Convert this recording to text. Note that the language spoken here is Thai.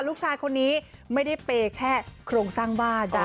ลูกชายคนนี้ไม่ได้เปย์แค่โครงสร้างบ้าน